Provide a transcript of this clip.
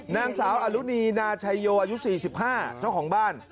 นางสาวอรุณีนาชัยโยอายุ๔๕เจ้าของบ้าน